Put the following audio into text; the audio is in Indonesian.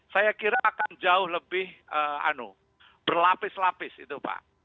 saya kira akan jauh lebih berlapis lapis itu pak